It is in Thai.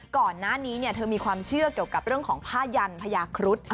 ก่อนหน้านี้เธอมีความเชื่อเกี่ยวกับเรื่องของผ้ายันพญาครุฑ